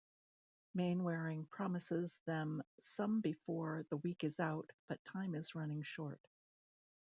Mainwaring promises them some before the week is out, but time is running short.